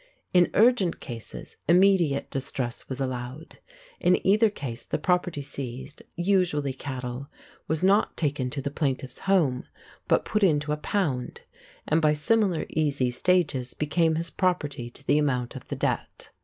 In urgent cases "immediate distress" was allowed. In either case the property seized usually cattle was not taken to the plaintiff's home, but put into a pound, and by similar easy stages became his property to the amount of the debt.